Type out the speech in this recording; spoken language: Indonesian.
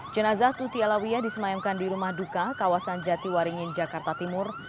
jenazah tuti alawiyah disemayamkan di rumah duka kawasan jatiwaringin jakarta timur